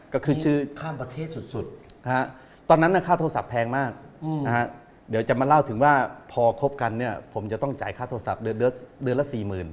ก็คือชื่อข้ามประเทศสุดตอนนั้นค่าโทรศัพท์แพงมากเดี๋ยวจะมาเล่าถึงว่าพอคบกันเนี่ยผมจะต้องจ่ายค่าโทรศัพท์เดือนละ๔๐๐๐